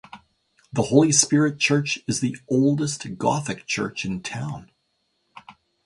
The Holy Spirit Church is the oldest gothic church in town.